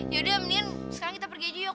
yaudah mendingan sekarang kita pergi aja yuk